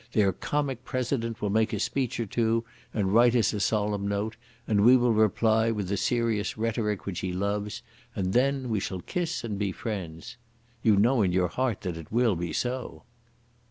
Their comic President will make a speech or two and write us a solemn note, and we will reply with the serious rhetoric which he loves, and then we shall kiss and be friends. You know in your heart that it will be so."